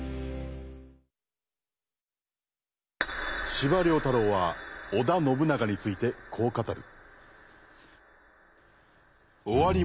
司馬太郎は織田信長についてこう語る。